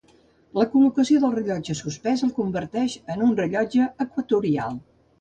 La col·locació del rellotge suspès el converteix en un rellotge equatorial.